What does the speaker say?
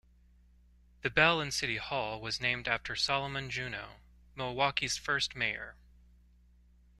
The bell in City Hall was named after Solomon Juneau, Milwaukee's first mayor.